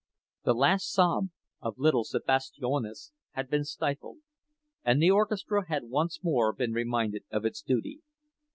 The last sob of little Sebastijonas has been stifled, and the orchestra has once more been reminded of its duty.